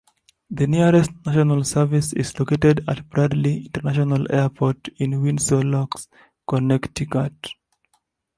The nearest national service is located at Bradley International Airport in Windsor Locks, Connecticut.